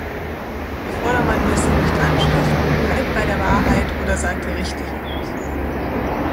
Der Vordermann lässt sich nicht anstiften, bleibt bei der Wahrheit oder sagt richtig aus.